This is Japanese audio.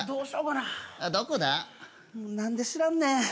なんで知らんねん。